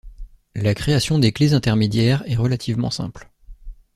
La création des clés intermédiaires est relativement simple.